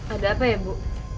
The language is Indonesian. ada apa ya bu